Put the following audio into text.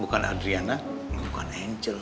bukan adriana bukan angel